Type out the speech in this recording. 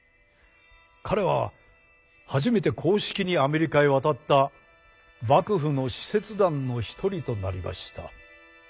彼は初めて公式にアメリカへ渡った幕府の使節団の一人となりました。